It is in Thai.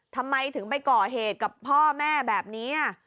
ทำไมถึงไปก่อเหตุกับพ่อแม่แบบนี้